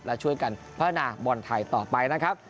และช่วยกันพัฒนาบอลไทยต่อไปนะครับ